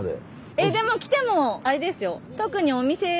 えでも来てもあれですよ。